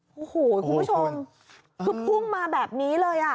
โอ้โหคุณผู้ชมคือพุ่งมาแบบนี้เลยอ่ะ